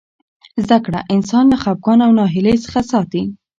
زده کړه انسان له خفګان او ناهیلۍ څخه ساتي.